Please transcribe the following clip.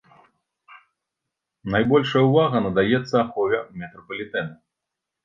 Найбольшая ўвага надаецца ахове метрапалітэну.